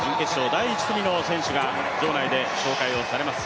第１組の選手が、場内で紹介をされます。